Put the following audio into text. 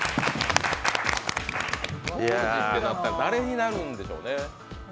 誰になるんでしょうね。